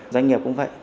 doanh nghiệp cũng vậy